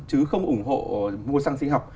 chứ không ủng hộ mua xăng sinh học